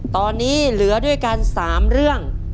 ตอนนี้เหลือด้วยกัน๓เรื่อง